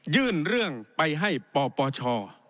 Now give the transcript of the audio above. ยื่นเรื่องไปให้ปปช